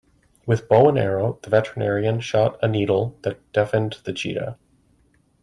With bow and arrow the veterinarian shot a needle that deafened the cheetah.